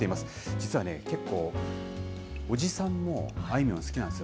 実はね、結構、おじさんもあいみょん、好きなんですよ。